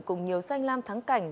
cùng nhiều xanh lam thắng cảnh